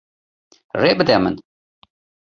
Rê bide min.